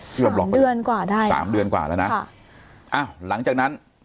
เกือบสองเดือนกว่าได้สามเดือนกว่าแล้วนะค่ะอ้าวหลังจากนั้น